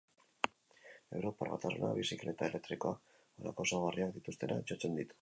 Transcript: Europar Batasunak bizikleta elektrikoak honako ezaugarriak dituztenak jotzen ditu.